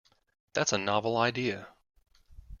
That's a novel idea.